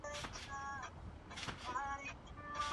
nikitangaza kutoka hapa jijini dar es salaam uko